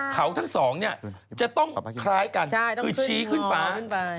เขาทั้ง๒จะต้องคล้ายกันคือชี้ขึ้นฟ้า